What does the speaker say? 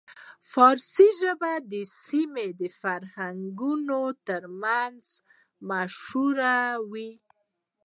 پارسي ژبه د سیمې د فرهنګیانو ترمنځ مشهوره وه